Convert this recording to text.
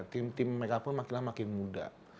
tim tim mereka pun makinlah makin muda